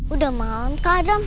udah malam kadang